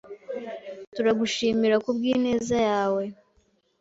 Turagushimira kubwineza yawe.